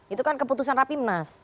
itu kan keputusan rapimnas